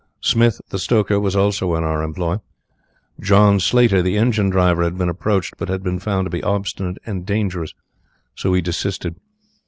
Smith, the stoker, was also in our employ. John Slater, the engine driver, had been approached, but had been found to be obstinate and dangerous, so we desisted.